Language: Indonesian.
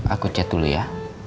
aku chat dulu ya